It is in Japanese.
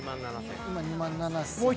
２万７，０００円。